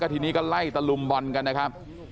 ทีนี้ก็ไล่ตะลุมบอลกันนะครับ